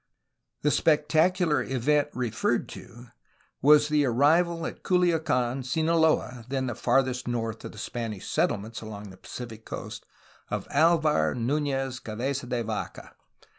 The spectacular event referred to was the arrival at Culia can, Sinaloa (then the farthest north of the Spanish settle ments along the Pacific coast), of Alvar Nunez Cabeza de Vaca.